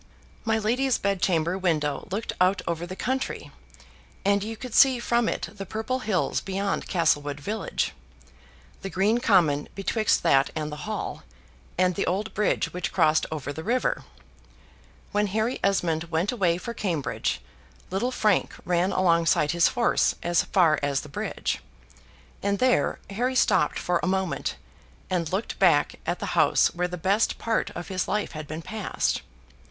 My lady's bed chamber window looked out over the country, and you could see from it the purple hills beyond Castlewood village, the green common betwixt that and the Hall, and the old bridge which crossed over the river. When Harry Esmond went away for Cambridge, little Frank ran alongside his horse as far as the bridge, and there Harry stopped for a moment, and looked back at the house where the best part of his life had been passed.